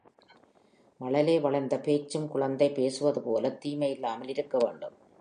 மழலை வளர்ந்த பேச்சும் குழந்தை பேசுவதுபோலத் தீமை இல்லாமல் இருக்க வேண்டும்.